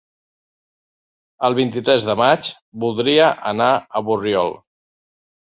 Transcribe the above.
El vint-i-tres de maig voldria anar a Borriol.